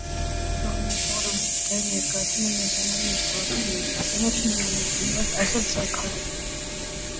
- Այո, պարոն, ձեր ներկայությունը մեզ համար միշտ հաճելի է,- կնոջը նմանեցնելով ասաց Զաքարը: